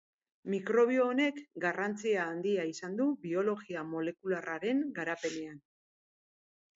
Mikrobio honek garrantzia handia izan du biologia molekularraren garapenean.